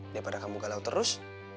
daripada kamu galau terus